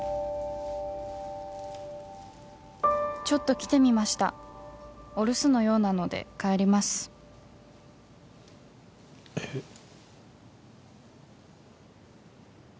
「ちょっと来てみましたお留守のようなので帰ります」えっ！？